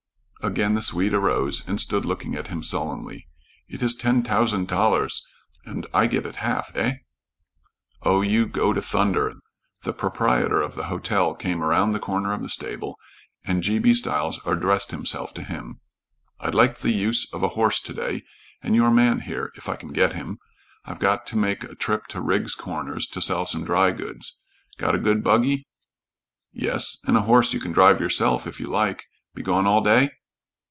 Again the Swede arose, and stood looking at him sullenly. "It iss ten t'ousand tallers, und I get it half, eh?" "Oh, you go to thunder!" The proprietor of the hotel came around the corner of the stable, and G. B. Stiles addressed himself to him. "I'd like the use of a horse to day, and your man here, if I can get him. I've got to make a trip to Rigg's Corners to sell some dry goods. Got a good buggy?" "Yes, and a horse you can drive yourself, if you like. Be gone all day?"